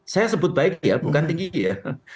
saya sebut baik ya bukan tinggi ya